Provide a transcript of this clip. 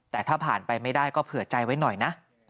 แต่ถ้าผ่านไปไม่ได้ก็เผื่อใจไว้หน่อยนะ